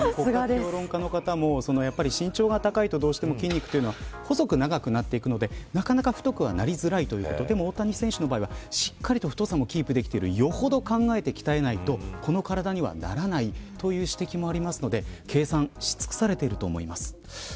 評論家の方も身長が高いとどうしても細く長くなっていくのでなかなか太くはなりづらいということででも大谷選手はしっかりと太さもキープできているということでよほど考えて鍛えないとこの体にはならないという指摘もあるので計算し尽くされていると思います。